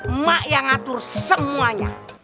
emak yang ngatur semuanya